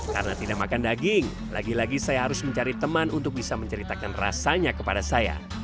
karena tidak makan daging lagi lagi saya harus mencari teman untuk bisa menceritakan rasanya kepada saya